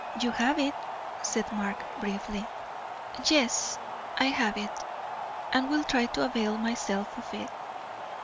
"You have it," said Mark, briefly. "Yes. I have it, and will try to avail myself of it.